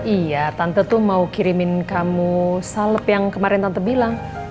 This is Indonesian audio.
iya tante tuh mau kirimin kamu salep yang kemarin tante bilang